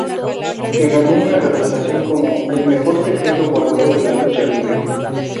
Se ganó una reputación como "el mejor secreto guardado de la lucha libre".